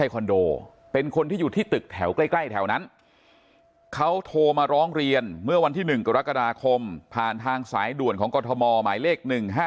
เขาโทรมาร้องเรียนเมื่อวันที่๑กรกฎาคมผ่านทางสายด่วนของกรทมหมายเลข๑๕๕๕